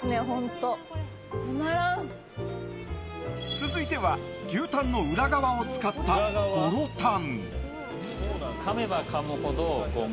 続いては牛たんの裏側を使ったゴロたん。